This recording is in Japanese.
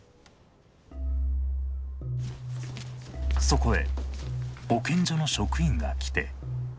そこへ保健所の職員が来て。